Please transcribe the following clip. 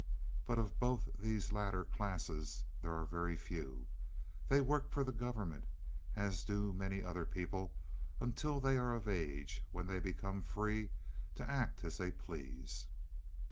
But of both these latter classes there are very few. They work for the government, as do many other people, until they are of age, when they become free to act as they please."